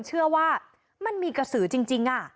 เชื่อว่ามันมีกระสือจริง